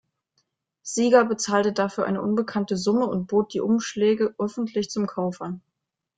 Sieger bezahlte dafür eine unbekannte Summe und bot die Umschläge öffentlich zum Kauf an.